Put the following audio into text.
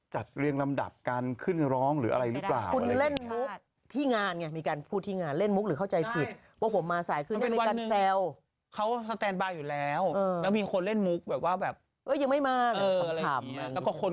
เหมือนคนที่ไปดูก็โพสต์ด้วยว่ารอนาน